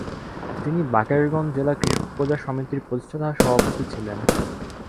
তিনি বাকেরগঞ্জ জেলা কৃষক প্রজা সমিতির প্রতিষ্ঠাতা সভাপতি ছিলেন।